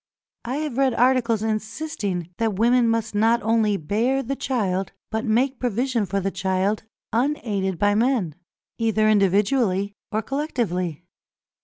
I have read articles insisting that women must not only bear the child, but make provision for the child, unaided by men, either individually or collectively.